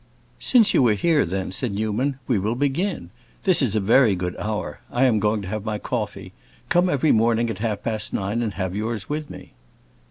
"Since you are here, then," said Newman, "we will begin. This is a very good hour. I am going to have my coffee; come every morning at half past nine and have yours with me."